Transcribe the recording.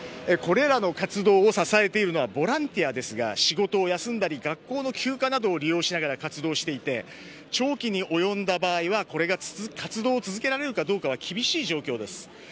これらの活動を支えているのはボランティアですが仕事を休んだり学校の休暇などを利用しながら活動していて長期に及んだ場合は活動を続けられるかどうかは厳しい状況です。